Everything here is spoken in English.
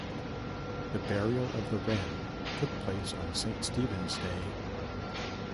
The burial of the wren took place on St. Stephen's Day.